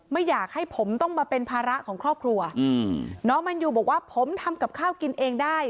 ไม่อยากให้ผมต้องมาเป็นภาระของครอบครัวอืมน้องแมนยูบอกว่าผมทำกับข้าวกินเองได้